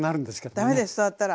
駄目です触ったら。